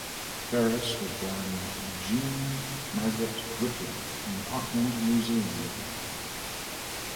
Ferris was born Jeanne Margaret Whitlow in Auckland, New Zealand.